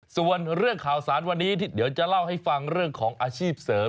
ส่วนเรื่องข่าวสารวันนี้ที่เดี๋ยวจะเล่าให้ฟังเรื่องของอาชีพเสริม